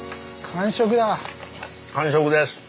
完食です。